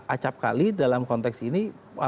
acapkali dalam konteks ini